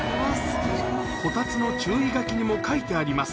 こたつの注意書きにも書いてあります。